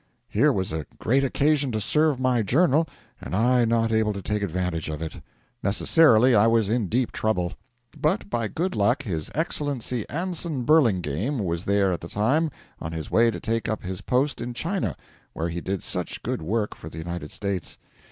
Here was a great occasion to serve my journal, and I not able to take advantage of it. Necessarily I was in deep trouble. But by good luck his Excellency Anson Burlingame was there at the time, on his way to take up his post in China, where he did such good work for the United States.